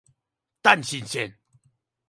淡信線